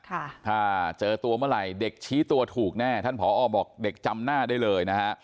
ถ้าเจอตัวเมื่อไหร่เด็กชี้ตัวถูกแน่ท่านผอบอกเด็กจำหน้าได้เลยนะฮะ